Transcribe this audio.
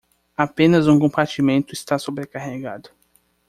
Apenas um compartimento está sobrecarregado